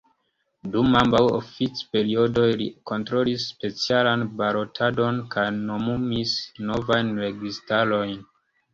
Dum ambaŭ oficperiodoj li kontrolis specialan balotadon kaj nomumis novajn registarojn.